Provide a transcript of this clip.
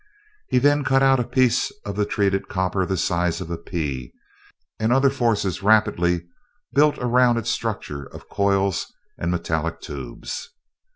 He then cut out a piece of the treated copper the size of a pea, and other forces rapidly built around it a structure of coils and metallic tubes.